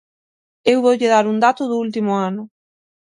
Eu voulle dar un dato do último ano.